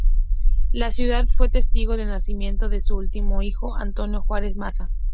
La ciudad fue testigo del nacimiento de su último hijo, Antonio Juárez Maza.